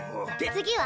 次は？